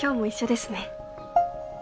ですね。